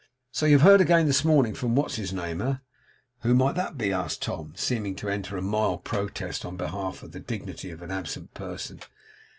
So you've heard again this morning from what's his name, eh?' 'Who may that be?' asked Tom, seeming to enter a mild protest on behalf of the dignity of an absent person.